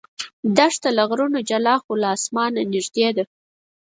دښته له غرونو جلا خو له اسمانه نږدې ده.